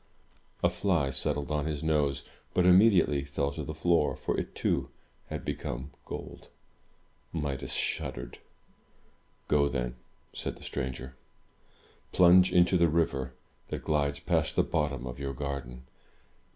A fly settled on his nose, but immediately fell to the floor, for it, too, had become gold. Midas shuddered. "Go then," said the stranger, "plunge into the river that glides past the bottom of your garden.